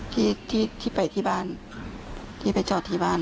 ที่ที่ไปที่บ้านที่ไปจอดที่บ้าน